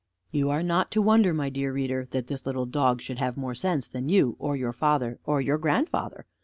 You are not to wonder, my dear reader, that this little dog should have more sense than you, or your father, or your grandfather.